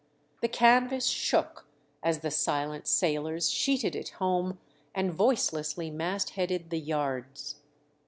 The can vas shook as the silent sailors sheeted it home and voicelessly mastheaded the yards.